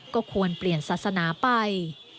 ก็ควรเปลี่ยนศาสนาไป